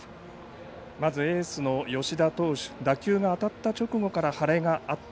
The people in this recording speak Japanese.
まずエースの吉田投手打球が当たった直後から腫れがあった。